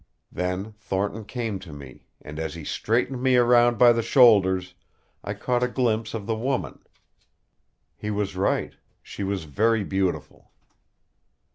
Then Thornton came to me, and as he straightened me around by the shoulders I caught a glimpse of the woman. He was right she was very beautiful.